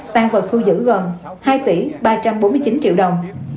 tăng vật thu giữ gần hai tỷ ba trăm bốn mươi chín triệu đồng